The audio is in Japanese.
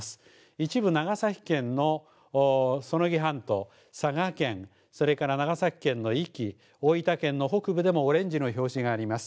一部、長崎県の半島、佐賀県、それから長崎県の壱岐、大分県の北部でもオレンジの表示があります。